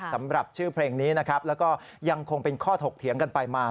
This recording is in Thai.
สำหรับชื่อเพลงนี้นะครับแล้วก็ยังคงเป็นข้อถกเถียงกันไปมา